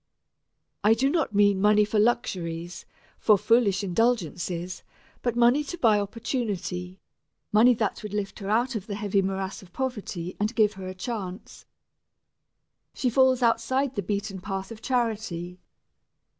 I do not mean money for luxuries, for foolish indulgences, but money to buy opportunity money that would lift her out of the heavy morass of poverty and give her a chance. She falls outside the beaten path of charity.